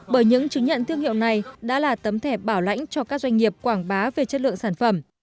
bởi những chứng nhận thương hiệu này đã là tấm thẻ bảo lãnh cho các doanh nghiệp quảng bá về chất lượng sản phẩm